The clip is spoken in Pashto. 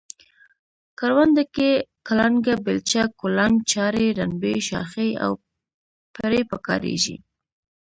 کرونده کې کلنگه، بیلچه، کولنگ، چارۍ، رنبی، شاخۍ او پړی په کاریږي.